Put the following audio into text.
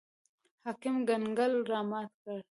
حاکم کنګل رامات کړي.